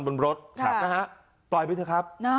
บนรถนะฮะปล่อยไปเถอะครับ